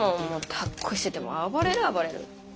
だっこしてても暴れる暴れる。